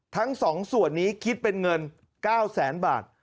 ทั้ง๒ส่วนนี้คิดเป็นเงิน๙แสนบาท